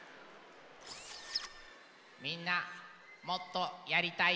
みんなもっとやりたい？